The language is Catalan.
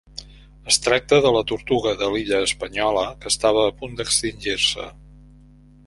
Es tracta de la tortuga de l'illa Espanyola que estava a punt d'extingir-se.